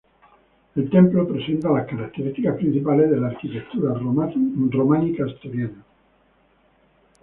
El templo presenta las características principales de la arquitectura románica asturiana.